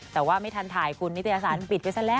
แต่ว่าไม่ทันถ่ายคุณนิตยสารปิดไปซะแล้ว